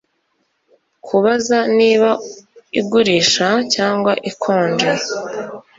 Kubaza niba igurisha cyangwa ikonje